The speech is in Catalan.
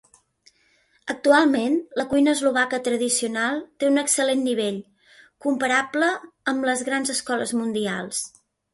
Actualment, la cuina eslovaca tradicional té un excel·lent nivell, comparable amb les grans escoles mundials.